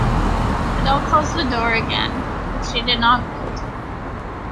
Adele closed the door again, but she did not bolt it.